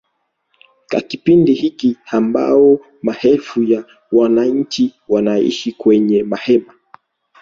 ka kipindi hiki ambacho ma elfu ya wananchi wanaishi kwenye mahema